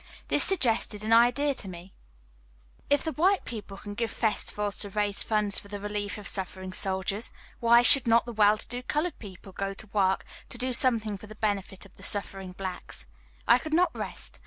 This suggested an idea to me. If the white people can give festivals to raise funds for the relief of suffering soldiers, why should not the well to do colored people go to work to do something for the benefit of the suffering blacks? I could not rest.